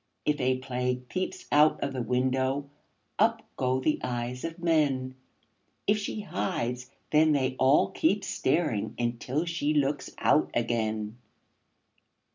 If a Plague peeps out of the window, Up go the eyes of men; If she hides, then they all keep staring Until she looks out again.